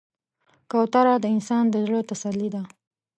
کوتره د انسان د زړه تسلي ده.